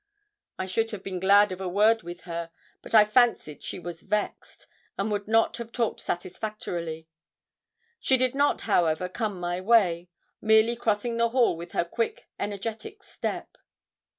I should have been glad of a word with her; but I fancied she was vexed, and would not have talked satisfactorily. She did not, however, come my way; merely crossing the hall with her quick, energetic step.